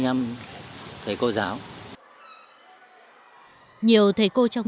nhiều thầy cô trong nhà trường đã được giúp đỡ